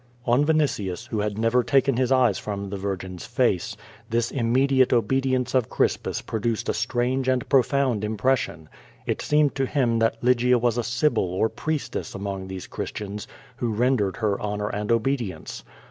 On Vinitius, who had never taken his eyes from the vir gin's face, this immediate obedience of Crispus produced a strange and ])rofound impression. It seemed to him that Lygia was a sibyl or priestess among these Christians .who rendered her honor and obedience.